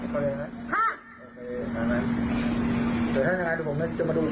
โอเคงั้นถ้าอย่างไรผมจะมาดูคุณ